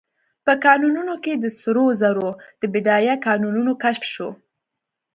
په کانونو کې د سرو زرو د بډایه کانونو کشف شو.